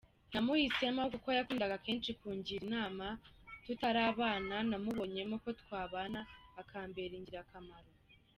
Namuhisemo kuko yakundaga kenshi kugira inama tutaranabana, namubonyemo ko twabana, akambera ingirakamaro.